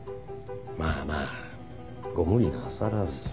まぁまぁご無理なさらず。